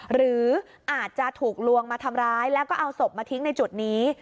หรืออาจจะถูกลวงมาทำร้ายแล้วก็เอาศพมาทิ้งในจุดนี้